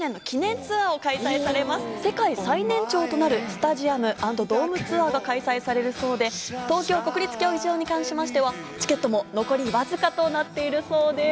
世界最年長となるスタジアム＆ドームツアーが開催されるそうで東京・国立競技場に関しましてはチケットも残りわずかとなっているそうです。